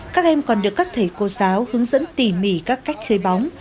các em còn được các thầy cô giáo hướng dẫn tỉ mỉ các cách chơi bóng